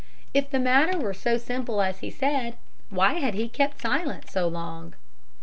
If the matter were so simple as he said, why had he kept silent so long?